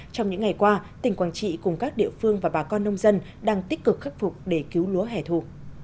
trong những ngày qua tỉnh quảng trị cùng các địa phương và bà con nông dân đang tích cực khắc phục để cứu lúa hẻ thù